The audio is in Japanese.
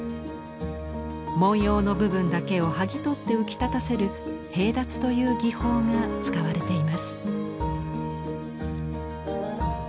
文様の部分だけを剥ぎ取って浮き立たせる「平脱」という技法が使われています。